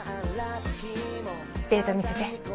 データ見せて。